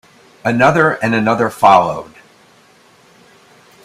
Another and another followed.